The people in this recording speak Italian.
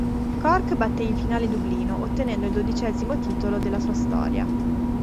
Cork batté in finale Dublino, ottenendo il dodicesimo titolo della sua storia.